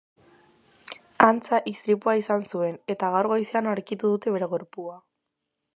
Antza, istripua izan zuen, eta gaur goizean aurkitu dute bere gorpua.